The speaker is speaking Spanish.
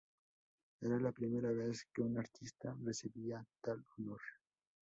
Era la primera vez que un artista recibía tal honor.